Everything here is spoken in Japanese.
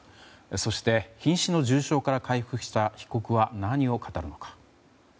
そして瀕死の重傷から回復した被告は何を語るのか。